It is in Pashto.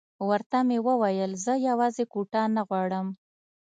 ورته مې وویل زه یوازې کوټه نه غواړم.